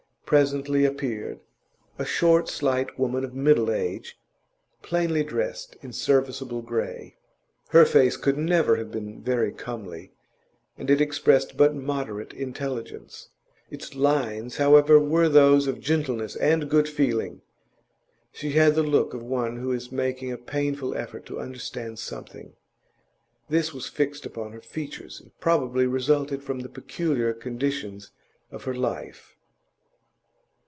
Presently appeared a short, slight woman of middle age, plainly dressed in serviceable grey. Her face could never have been very comely, and it expressed but moderate intelligence; its lines, however, were those of gentleness and good feeling. She had the look of one who is making a painful effort to understand something; this was fixed upon her features, and probably resulted from the peculiar conditions of her life.